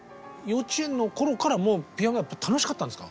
幼稚園の頃からもうピアノは楽しかったんですか？